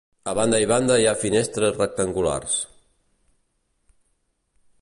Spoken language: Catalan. A banda i banda hi ha finestres rectangulars.